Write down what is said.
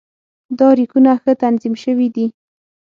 دا ریکونه ښه تنظیم شوي دي.